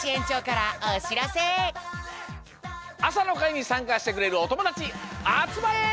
あさのかいにさんかしてくれるおともだちあつまれ！